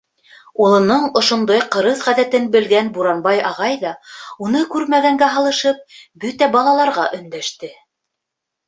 Улының ошондай ҡырыҫ ғәҙәтен белгән Буранбай ағай ҙа, уны күрмәгәнгә һалышып, бөтә балаларға өндәште: